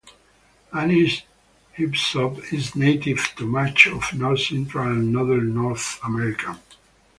Anise hyssop is native to much of north-central and northern North America.